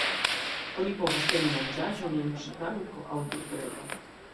Oni povas teni manĝaĵon en ŝranko aŭ sur breto.